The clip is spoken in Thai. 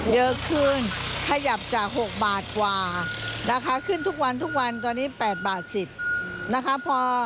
เยอะขึ้นขยับจาก๖บาทกว่าขึ้นทุกวันตอนนี้๘บาท๑๐สตางค์